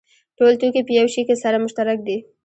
ټول توکي په یوه شي کې سره مشترک دي